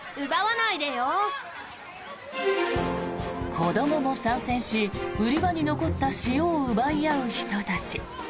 子どもも参戦し売り場に残った塩を奪い合う人たち。